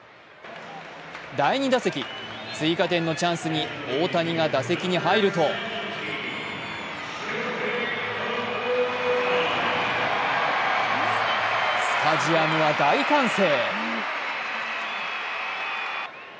第２打席、追加点のチャンスに大谷が打席に入るとスタジアムは大歓声。